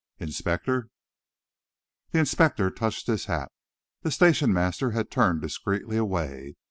Inspector!" The inspector touched his hat. The station master had turned discreetly away.